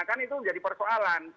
kan itu menjadi persoalan